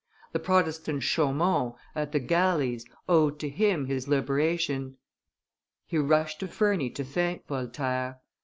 The Protestant Chaumont, at the galleys, owed to him his liberation; he rushed to Ferney to thank Voltaire.